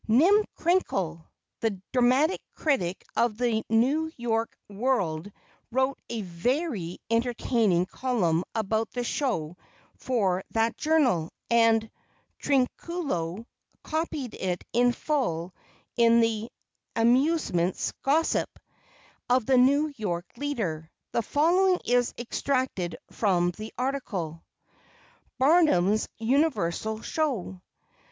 "Nym Crinkle," the Dramatic Critic of the New York World, wrote a very entertaining column about the show for that journal, and "Trinculo" copied it in full in the "Amusements Gossip" of the New York Leader. The following is extracted from the article: BARNUM'S UNIVERSAL SHOW.